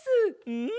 うん。